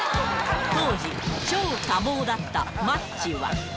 当時、超多忙だったマッチは。